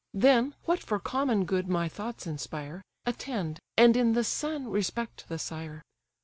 Then, what for common good my thoughts inspire, Attend, and in the son respect the sire.